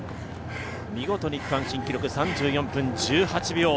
見事に区間新記録３４分１８秒。